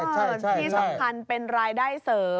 ที่สำคัญเป็นรายได้เสริม